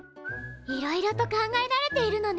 いろいろと考えられているのね。